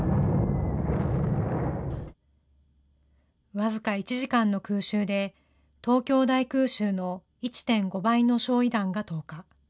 僅か１時間の空襲で、東京大空襲の１．５倍の焼い弾が投下。